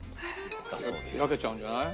開けちゃうんじゃない？